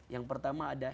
yang pertama ada